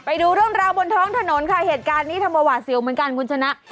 ไปดูเรื่องราวบนท้องถนนค่ะเหตุการณ์นี้ทำมาหวาดเสียวเหมือนกันคุณชนะ